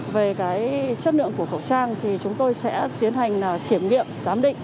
về cái chất lượng của khẩu trang thì chúng tôi sẽ tiến hành kiểm nghiệm giám định